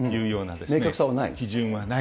明確さはない。